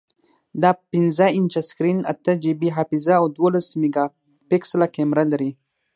دا پنځه انچه سکرین، اته جی بی حافظه، او دولس میګاپکسله کیمره لري.